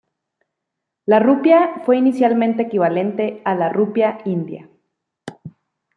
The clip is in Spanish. La rupia fue inicialmente equivalente a la rupia india.